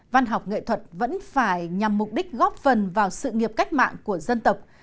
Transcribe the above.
văn học nghệ thuật vẫn phải nhằm mục đích góp phần vào sự nghiệp cách mạng của dân tộc